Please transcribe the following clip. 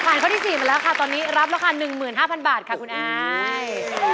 ข้อที่๔มาแล้วค่ะตอนนี้รับราคา๑๕๐๐บาทค่ะคุณอาย